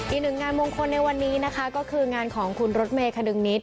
อีกหนึ่งงานมงคลในวันนี้นะคะก็คืองานของคุณรถเมย์ขดึงนิด